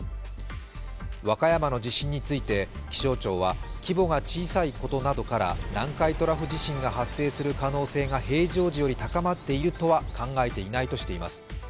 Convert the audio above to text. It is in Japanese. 和歌山の地震について気象庁は規模が小さいことなどから南海トラフ地震の発生する可能性が平常時より高まっているとは考えていないとしています。